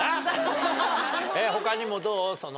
他にもどう？